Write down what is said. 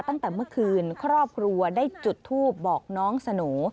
ตั้งแต่เมื่อคืนครอบครัวได้จุดทูบบอกน้องสโหน่